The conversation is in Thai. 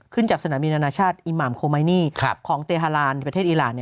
จากสนามบินอนาชาติอิหมามโคไมนี่ของเตฮาลานประเทศอีราน